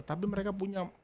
tapi mereka punya